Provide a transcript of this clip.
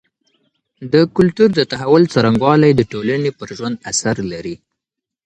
د کلتور د تحول څرنګوالی د ټولني پر ژوند اثر لري.